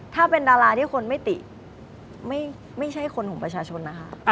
ถ้าเป็นดาราที่คนไม่ติไม่ใช่คนของประชาชนนะคะ